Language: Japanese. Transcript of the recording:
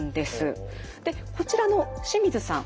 こちらの清水さん。